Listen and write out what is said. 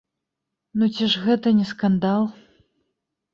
Ну ці ж гэта не скандал?!